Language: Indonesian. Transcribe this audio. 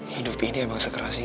hidup ini emang sekeras sih